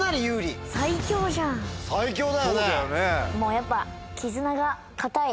やっぱ。